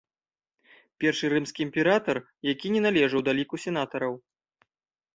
Першы рымскі імператар, які не належаў да ліку сенатараў.